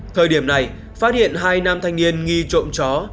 thời điểm này phát hiện hai nam thanh niên nghi trộm chó